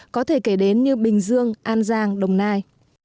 có thể kể đến như bình dương an giang đồng nai